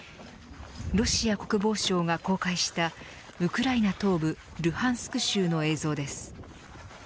ロシア国防省が公開したウクライナ東部ルハンスク州の映像です。